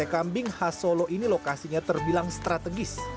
sate kambing hasolo ini lokasinya terbilang strategis